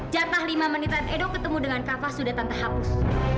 jatah lima menitan edo ketemu dengan kava sudah tante hapus